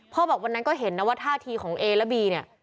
บอกวันนั้นก็เห็นนะว่าท่าทีของเอและบีเนี่ย